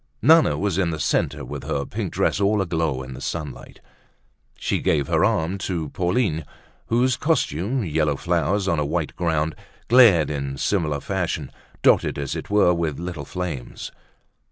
Nana was in the centre with her pink dress all aglow in the sunlight. She gave her arm to Pauline, whose costume, yellow flowers on a white ground, glared in similar fashion, dotted as it were with little flames.